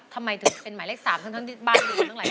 ทำไมถึงเป็นหมายเลข๓เหมือนที่บ้าน